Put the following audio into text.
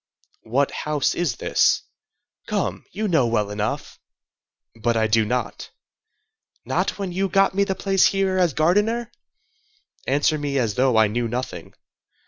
"What house is this?" "Come, you know well enough." "But I do not." "Not when you got me the place here as gardener?" "Answer me as though I knew nothing."